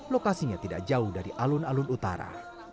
lokasinya tidak jauh dari alun alun utara